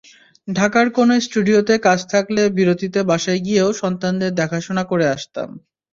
ঢাকার কোনো স্টুডিওতে কাজ থাকলে বিরতিতে বাসায় গিয়েও সন্তানদের দেখাশোনা করে আসতাম।